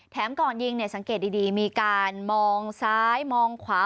ก่อนยิงเนี่ยสังเกตดีมีการมองซ้ายมองขวา